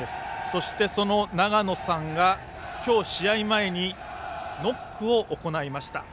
そして、その永野さんが今日、試合前にノックを行いました。